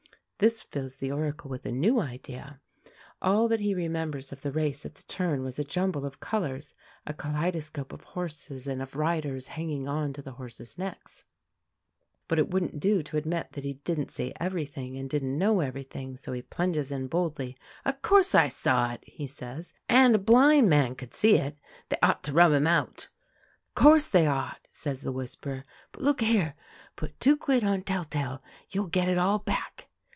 This fills the Oracle with a new idea. All that he remembers of the race at the turn was a jumble of colours, a kaleidoscope of horses and of riders hanging on to the horses' necks. But it wouldn't do to admit that he didn't see everything, and didn't know everything; so he plunges in boldly. "O' course I saw it," he says. "And a blind man could see it. They ought to rub him out." "Course they ought," says the Whisperer. "But, look here, put two quid on Tell tale; you'll get it all back!"